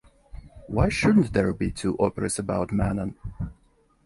Why shouldn't there be two operas about Manon?